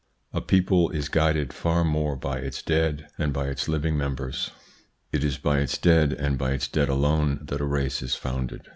A people is guided far more by its dead than by its living members. It is by its dead, and by its dead alone, that a race is founded.